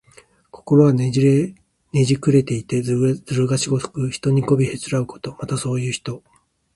心がねじくれていて、ずるがしこく、人にこびへつらうこと。また、そういう人。